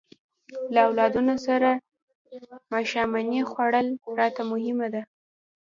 له اولادونو سره ماښامنۍ خوړل راته مهمه ده.